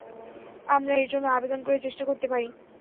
আমরা এর জন্য আবেদন করে চেষ্টা করতে পারি?